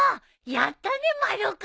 やったね丸尾君。